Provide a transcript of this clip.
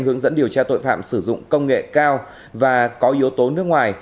hướng dẫn điều tra tội phạm sử dụng công nghệ cao và có yếu tố nước ngoài